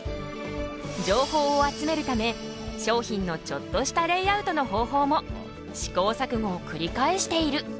情報を集めるため商品のちょっとしたレイアウトの方法も試行錯誤を繰り返している。